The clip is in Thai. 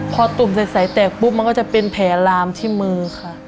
พอตุ่มใสแตกปุ๊บมันก็จะเป็นแผลลามที่มือค่ะ